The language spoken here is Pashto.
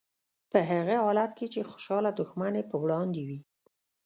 په هغه حالت کې چې خوشحاله دښمن یې په وړاندې وي.